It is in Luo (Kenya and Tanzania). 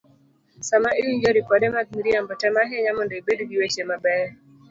Sama iwinjo ripode mag miriambo, tem ahinya mondo ibed gi weche mabeyo